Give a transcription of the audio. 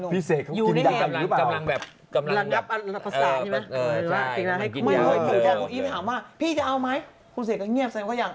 พี่เสกเขากินอยู่แหละ